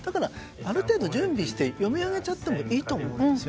ある程度準備して読み上げちゃってもいいと思うんです。